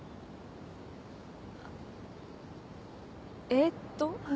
えっと。